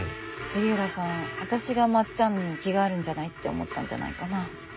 杉浦さん私がまっちゃんに気があるんじゃないって思ったんじゃないかな？